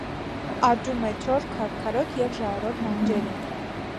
Աճում է չոր, քարքարոտ և ժայռոտ լանջերին։